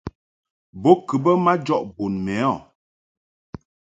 Bo kɨ mbə majɔʼ bun mɛ o.